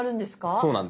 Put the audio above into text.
そうなんです。